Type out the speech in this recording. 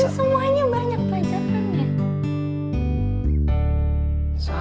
ya kan semuanya banyak pelajaran ya